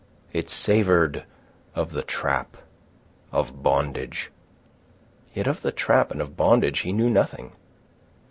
It savoured of the trap, of bondage. Yet of the trap and of bondage he knew nothing.